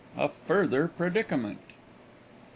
A FURTHER PREDICAMENT VII.